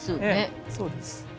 そうです。